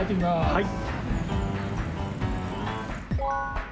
はい。